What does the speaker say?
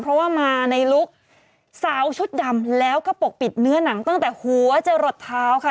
เพราะว่ามาในลุคสาวชุดดำแล้วก็ปกปิดเนื้อหนังตั้งแต่หัวจะหลดเท้าค่ะ